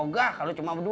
gak kalo cuma berdua